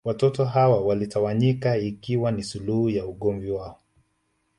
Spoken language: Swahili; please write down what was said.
Watoto hawa walitawanyika ikiwa ni suluhu ya ugomvi wao